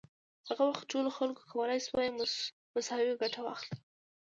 هغه وخت ټولو خلکو کولای شوای مساوي ګټه واخلي.